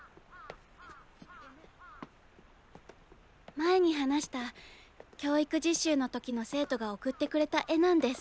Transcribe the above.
前に話した教育実習の時の生徒が送ってくれた絵なんです。